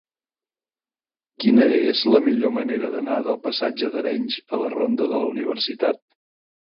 Quina és la millor manera d'anar del passatge d'Arenys a la ronda de la Universitat?